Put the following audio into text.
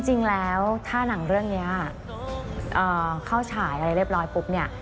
จริงแล้วถ้าหนังเรื่องนี้เข้าฉายอะไรเรียบร้อยปุ๊บเนี่ย